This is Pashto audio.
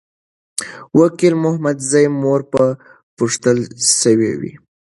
وکیل محمدزی مور به پوښتل سوې وي.